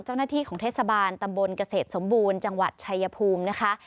เจ้าหน้าที่ของเทศบาลตำบลเกษตรสมบูรณ์จังหวัดชายภูมินะคะ